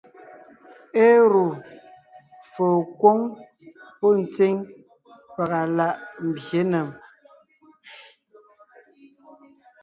Éru fô kwóŋ pɔ́ ntsíŋ pàga láʼ mbyě nèm;